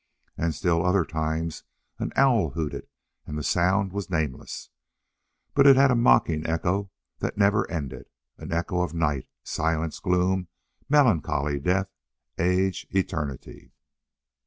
At still other times an owl hooted, and the sound was nameless. But it had a mocking echo that never ended. An echo of night, silence, gloom, melancholy death, age, eternity!